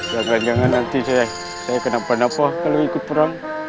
jangan jangan nanti saya kenapa napa kalau ikut perang